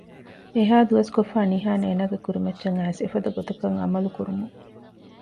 އެހާ ދުވަސްކޮށްފައި ނިހާން އޭނަގެ ކުރިމައްޗަށް އައިސް އެފަދަ ގޮތަކަށް އަމަލު ކުރުމުން